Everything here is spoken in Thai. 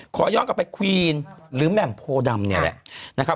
ขอย้อนกลับไปควีนหรือแม่งโพดำเนี่ยแหละ